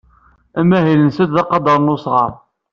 Amahil-nsent d aqedder n usɣar.